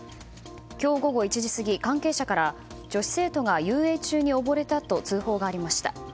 今日午後１時過ぎ関係者から女子生徒が遊泳中に溺れたと通報がありました。